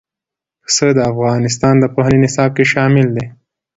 پسه د افغانستان د پوهنې نصاب کې شامل دي.